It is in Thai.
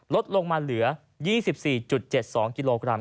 ลดลงมาเหลือ๒๔๗๒กิโลกรัม